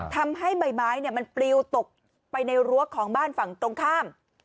ทำให้ใบไม้มันปลิวตกไปในรั้วของบ้านฝั่งตรงข้าม